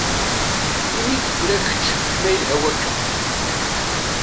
Ini-d tura kečč ma yelha wakka.